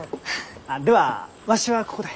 あっではわしはここで。